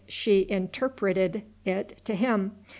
She interpreted it to him.